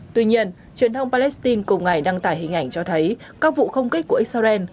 tuy nhiên truyền thông palestine cùng ngày đăng tải hình ảnh cho thấy các vụ không kích của israel